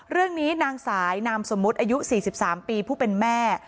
เรื่องนี้นางสายนามสมมุติอายุ๔๓ปีผู้เป็นแม่